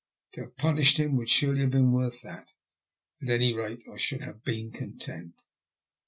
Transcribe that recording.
To have punished him would surely have been worth that. At any rate I should have been content.